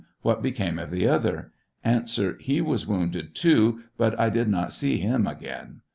What became of the other ? A, He was wounded too ; but I did not see him again.